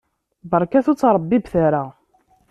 Barket ur ttṛabibbet ara.